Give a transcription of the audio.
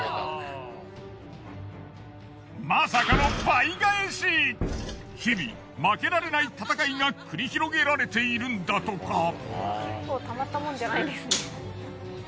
まさかの日々負けられない戦いが繰り広げられているんだとか。